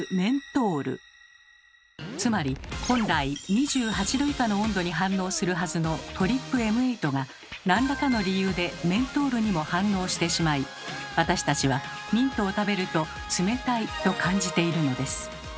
つまり本来２８℃以下の温度に反応するはずのＴＲＰＭ８が何らかの理由でメントールにも反応してしまい私たちはミントを食べると「冷たい」と感じているのです。